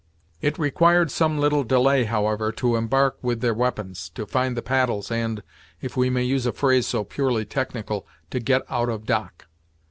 It required some little delay, however, to embark with their weapons, to find the paddles and, if we may use a phrase so purely technical, "to get out of dock."